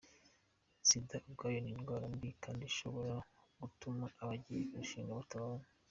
Sida ubwayo ni indwara mbi kandi ishobora gutuma abagiye kurushinga batabana .